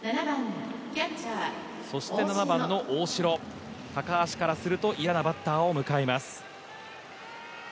そして７番の大城、高橋からすると嫌なバッターを迎えます。